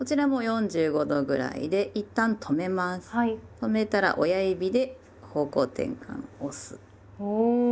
止めたら親指で方向転換押す。